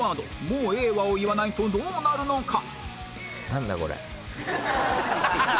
「もうええわ」を言わないとどうなるのか？